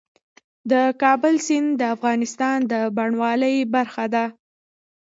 د کابل سیند د افغانستان د بڼوالۍ برخه ده.